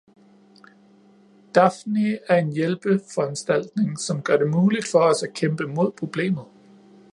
Daphne er en hjælpeforanstaltning, som gør det muligt for os at kæmpe mod problemet.